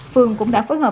phường cũng đã phối hợp